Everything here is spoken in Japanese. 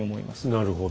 なるほど。